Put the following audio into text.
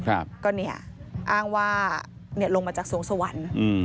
อางว่าลงมาจากทรงทรวรย์